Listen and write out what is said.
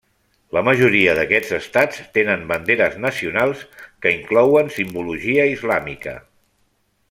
La majoria d'aquests estats tenen banderes nacionals que inclouen simbologia islàmica.